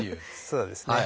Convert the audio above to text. そうですね。